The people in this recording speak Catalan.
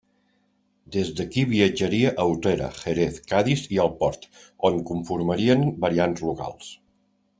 Des d'aquí viatjaria a Utrera, Jerez, Cadis i El Port, on conformarien variants locals.